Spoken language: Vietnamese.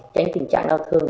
tránh tình trạng đau thương